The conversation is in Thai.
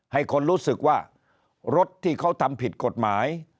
ให้คนรู้สึกว่ารถที่เขาทำผิดกฎหมาย